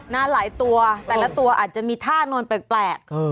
หลายตัวแต่ละตัวอาจจะมีท่านอนแปลก